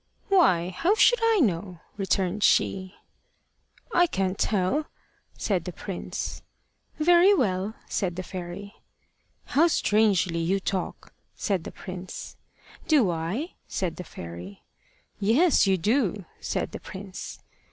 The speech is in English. "Why, how should I know?" returned she. "I can't tell," said the prince. "Very well," said the fairy. "How strangely you talk!" said the prince. "Do I?" said the fairy. "Yes, you do," said the prince.